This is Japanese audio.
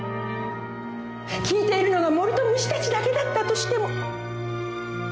聴いているのが森と虫たちだけだったとしても。